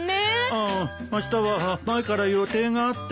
あああしたは前から予定があって。